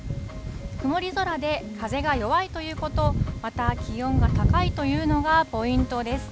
曇り空で風が弱いということ、また、気温が高いというのがポイントです。